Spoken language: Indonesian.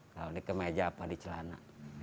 kalau dikemeja apa di celana